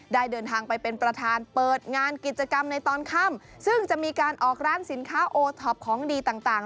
เดินทางไปเป็นประธานเปิดงานกิจกรรมในตอนค่ำซึ่งจะมีการออกร้านสินค้าโอท็อปของดีต่างต่าง